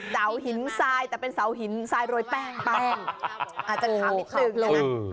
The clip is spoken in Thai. เสาหินทรายแต่เป็นเสาหินทรายโรยแป้งแป้งอาจจะขาวนิดนึงนะ